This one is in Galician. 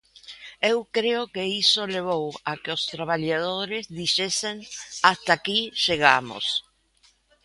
E eu creo que iso levou a que os traballadores dixesen: ata aquí chegamos.